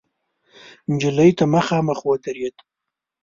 نجلۍ ته مخامخ ودرېد.